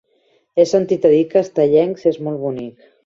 He sentit a dir que Estellencs és molt bonic.